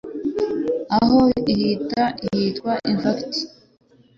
aho ihita yitwa 'infant